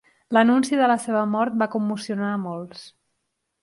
L'anunci de la seva mort va commocionar a molts.